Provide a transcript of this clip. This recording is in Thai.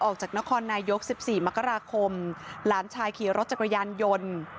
ออกจากนครนายก๑๔มกราคมหลานชายขี่รถจักรยานยนต์